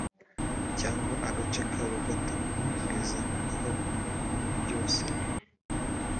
cyangwa agace kayo gato kugeza aho byose